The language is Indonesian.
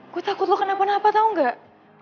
gue takut lo kena apa apa tau gak